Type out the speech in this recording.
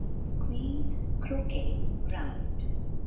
THE QUEEN'S CRO QUET GROUND.